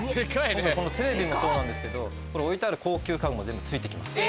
このテレビもそうなんですけど置いてある高級家具も全部付いて来ます。